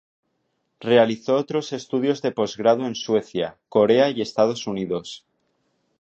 Realizó otros estudios de postgrado en Suecia, Corea y Estados Unidos.